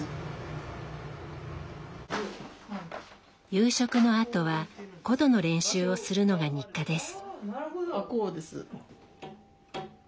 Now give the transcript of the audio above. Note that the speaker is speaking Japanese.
夕食のあとは箏の練習をするのが日課です。